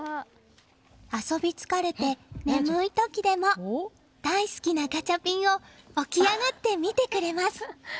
遊び疲れて眠い時でも大好きなガチャピンを起き上がって見てくれます。